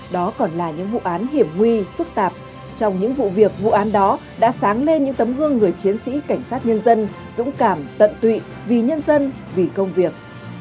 đó còn là những vụ án hiểm nguy phức tạp trong những vụ việc vụ án đó đã sáng lên những tấm gương người chiến sĩ cảnh sát nhân dân dũng cảm tận tụy vì nhân dân vì công việc